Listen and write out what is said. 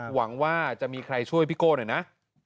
หวังว่าจะมีใครช่วยพี่โก้หน่อยนะ